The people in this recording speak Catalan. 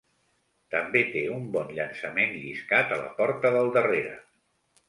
També té un bon llançament lliscat a la porta del darrere.